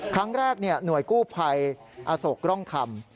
ครั้งแรกเนี่ยหน่วยกู้ภัยอโศกร่องคำ